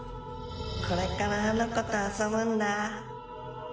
これからあの子と遊ぶんだ。